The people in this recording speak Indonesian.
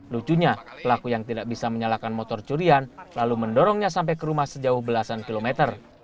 lucunya pelaku yang tidak bisa menyalakan motor curian lalu mendorongnya sampai ke rumah sejauh belasan kilometer